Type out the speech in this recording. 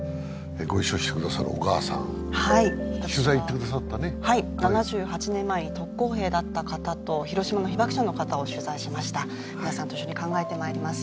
ご一緒してくださる小川さんはい取材行ってくださったねはい７８年前に特攻兵だった方と広島の被爆者の方を取材しました皆さんと一緒に考えてまいります